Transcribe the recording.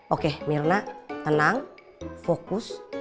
oke mirna tenang fokus